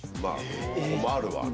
困るわな。